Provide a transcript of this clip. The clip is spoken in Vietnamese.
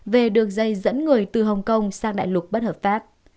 về đường dây dẫn người từ hồng kông sang đại lục bất hợp pháp